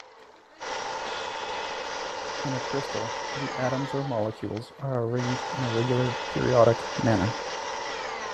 In a crystal, the atoms or molecules are arranged in a regular, periodic manner.